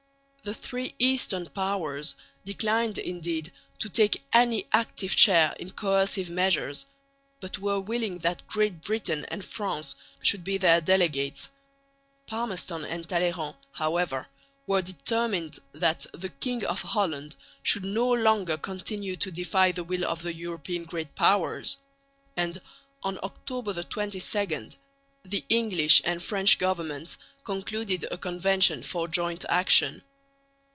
The three eastern Powers declined indeed to take any active share in coercive measures, but were willing that Great Britain and France should be their delegates. Palmerston and Talleyrand, however, were determined that the King of Holland should no longer continue to defy the will of the European Great Powers; and on October 22 the English and French governments concluded a Convention for joint action.